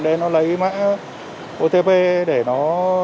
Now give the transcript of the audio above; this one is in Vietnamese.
để nó lấy mã otp để nó